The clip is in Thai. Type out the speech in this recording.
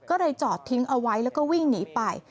ก็เลยจอดทิ้งเอาไว้แล้วก็วิ่งหนีไป